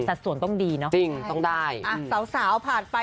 สัดส่วนต้องดีเนอะจริงต้องได้อ่ะสาวสาวผ่านไป